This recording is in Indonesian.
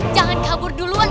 jangan kabur duluan